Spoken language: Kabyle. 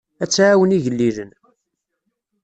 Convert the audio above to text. Ad tɛawen igellilen.